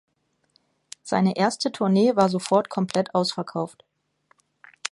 Seine erste Tournee war sofort komplett ausverkauft.